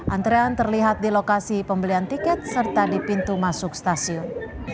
antrean terlihat di lokasi pembelian tiket serta di pintu masuk stasiun